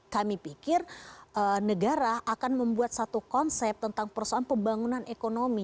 kami pikir negara akan membuat satu konsep tentang persoalan pembangunan ekonomi